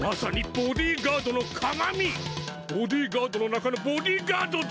ボディーガードの中のボディーガードだ！